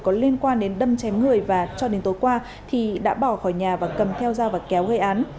có liên quan đến đâm chém người và cho đến tối qua thì đã bỏ khỏi nhà và cầm theo dao và kéo gây án